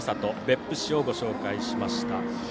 別府市をご紹介しました。